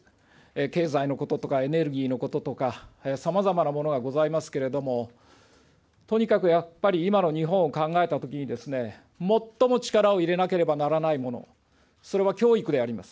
経済のこととかエネルギーのこととか、さまざまなものがございますけれども、とにかくやっぱり今の日本を考えたときに、最も力を入れなければならないもの、それは教育であります。